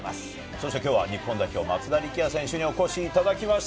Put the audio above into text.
そして、きょうは日本代表・松田力也選手にお越しいただきました。